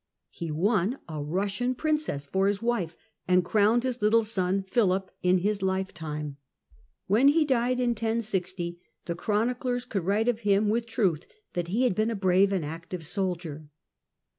He won a Russian princess for his wife, and crowned his little son Philip in his lifetime. When he FRANCE UNDER CAROLINGIANS AND CAPETTANS 51 died, in 1060, the chroniclers could write of him with truth that he had been " a brave and active soldier."